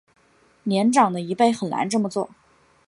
年长的一辈很难这么做